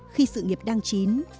khi sự nghiệp đang chín